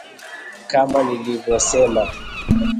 Kama nilivyosema